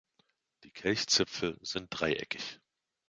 Die Kelchzipfel sind dreieckig.